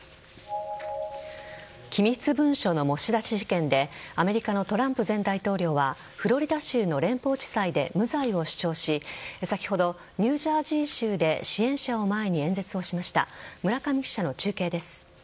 機密文書の持ち出し事件でアメリカのトランプ前大統領はフロリダ州の連邦地裁で無罪を主張し先ほどニュージャージー州で支援者を前に演説をしました。